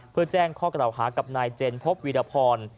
เพื่อแจ้งข้อกล่าวหากับนายเจนพบวีรพร